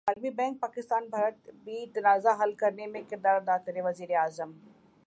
عالمی بینک پاکستان بھارت بی تنازعہ حل کرنے میں کردار ادا کرے وزیراعظم